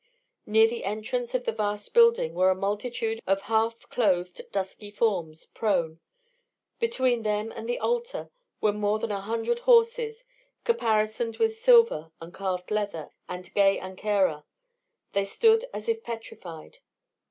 Near the entrance of the vast building were a multitude of half clothed dusky forms, prone. Between them and the altar were more than an hundred horses, caparisoned with silver and carved leather, and gay anquera. They stood as if petrified.